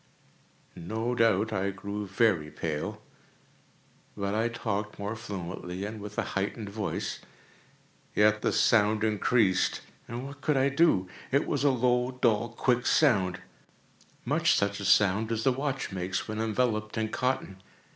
No doubt I now grew very pale;—but I talked more fluently, and with a heightened voice. Yet the sound increased—and what could I do? It was a low, dull, quick sound—much such a sound as a watch makes when enveloped in cotton.